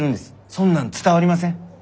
そんなん伝わりません。